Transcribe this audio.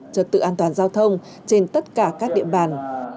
trật tự an toàn giao thông trên tất cả các địa bàn